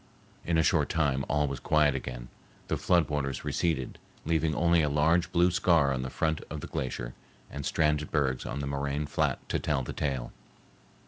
In a short time all was quiet again; the flood waters receded, leaving only a large blue scar on the front of the glacier and stranded bergs on the moraine flat to tell the tale.